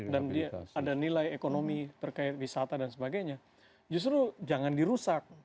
dan ada nilai ekonomi terkait wisata dan sebagainya justru jangan dirusak